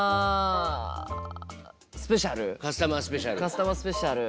カスタマースペシャル。